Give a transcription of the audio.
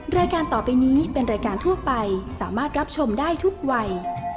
รายการต่อไปนี้เป็นรายการทั่วไปสามารถรับชมได้ทุกวัย